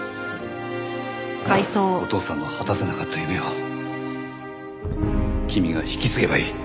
お父さんの果たせなかった夢を君が引き継げばいい。